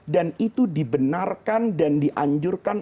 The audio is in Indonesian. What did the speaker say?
dan itu dibenarkan dan dianjurkan